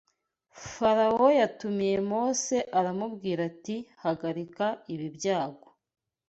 Farawo yatumiye Mose aramubwira ati hagarika ibi byago